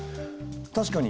確かに。